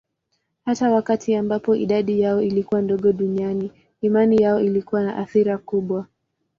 Hata wakati ambapo idadi yao ilikuwa ndogo duniani, imani yao ilikuwa na athira kubwa.